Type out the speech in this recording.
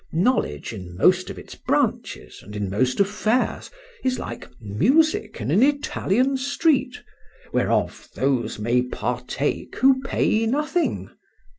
—Knowledge in most of its branches, and in most affairs, is like music in an Italian street, whereof those may partake who pay nothing.